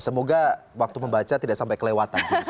semoga waktu membaca tidak sampai kelewatan